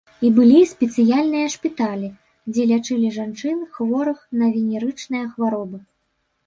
І былі спецыяльныя шпіталі, дзе лячылі жанчын, хворых на венерычныя хваробы.